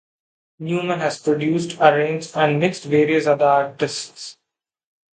Newman has produced, arranged and mixed various other artists.